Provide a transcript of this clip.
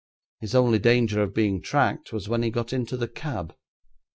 His only danger of being tracked was when he got into the cab.